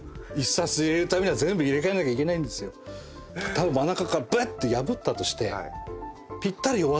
例えば真ん中からベッて破ったとして。